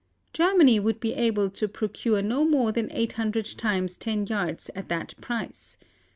Germany would be able to procure no more than 800 times ten yards at that price.